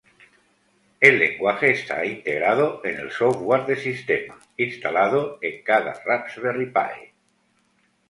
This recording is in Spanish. El lenguaje está integrado en el software de sistema instalado en cada Raspberry Pi.